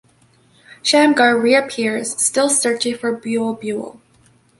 Shamgar reappears, still searching for "Bule-Bule".